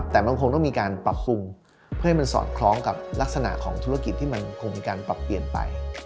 แต่มันคงต้องมีการปรับปรุงเพื่อให้มันสอดคล้องกับลักษณะของธุรกิจที่มันคงมีการปรับเปลี่ยนไป